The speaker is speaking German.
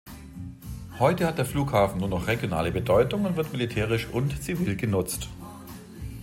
Heute hat der Flughafen nur noch regionale Bedeutung und wird militärisch und zivil genutzt.